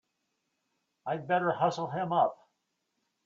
I'd better hustle him up!